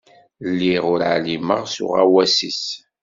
Lliɣ ur εlimeɣ s uɣawas-is.